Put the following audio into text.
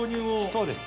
そうです。